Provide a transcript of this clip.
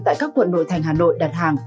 tại các quận nội thành hà nội đặt hàng